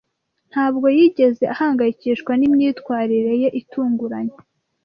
Ntabwo yigeze ahangayikishwa nimyitwarire ye itunguranye.